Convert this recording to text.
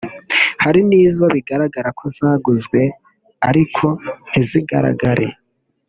Hari n’izo bigaragara ko zaguzwe ariko ntizigaragare